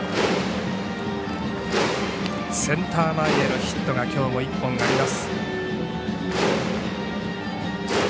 センター前へのヒットがきょうも１本あります。